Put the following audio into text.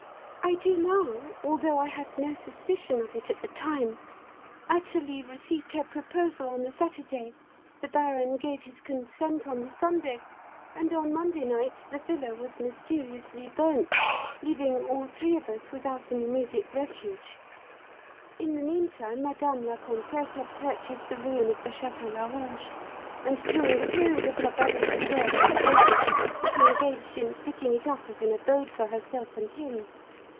"I do now, although I had no suspicion of it at the time. Athalie received her proposal on the Saturday, the baron gave his consent on the Sunday, and on Monday night the villa was mysteriously burnt, leaving all three of us without an immediate refuge. In the meantime, Madame la Comtesse had purchased the ruin of the Château Larouge, and during the period of her brother's deferred proposal was engaged in fitting it up as an abode for herself and him.